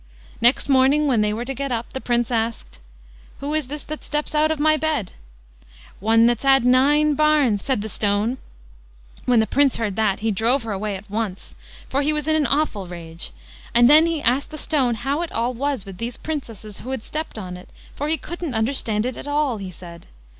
Next morning, when they were to get up, the Prince asked: "Who is this that steps out of my bed?" "One that's had nine bairns", said the stone. When the Prince heard that he drove her away at once, for he was in an awful rage; and then he asked the stone how it all was with these Princesses who had stepped on it, for he couldn't understand it at all, he said.